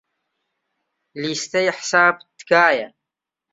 لیستەی حساب، تکایە.